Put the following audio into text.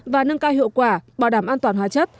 và nâng cao hiệu quả bảo đảm an toàn hóa chất